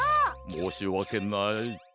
もうしわけない。